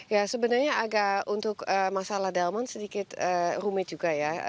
ya sebenarnya agak untuk masalah delman sedikit rumit juga ya